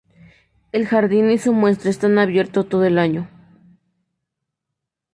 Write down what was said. El jardín y sus muestra están abierto todo el año.